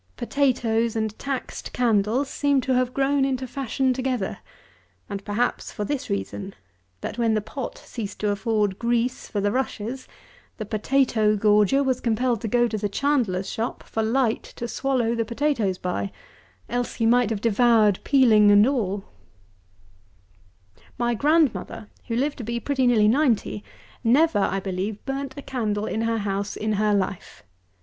Potatoes and taxed candles seem to have grown into fashion together; and, perhaps, for this reason: that when the pot ceased to afford grease for the rushes, the potatoe gorger was compelled to go to the chandler's shop for light to swallow the potatoes by, else he might have devoured peeling and all! 194. My grandmother, who lived to be pretty nearly ninety, never, I believe, burnt a candle in her house in her life.